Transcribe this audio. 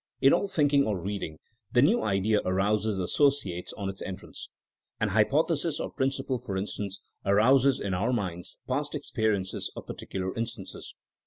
In all thinking or reading, the new idea arouses associates on its entrance. An hypothesis or principle, for instance, arouses in our minds past experiences of particular instances.